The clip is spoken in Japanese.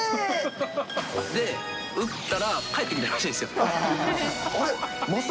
で、打ったら帰ってきたらしいんですよ。